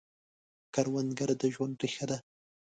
کروندګر د ژوند ریښه ده